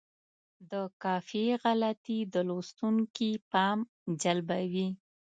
د قافیې غلطي د لوستونکي پام جلبوي.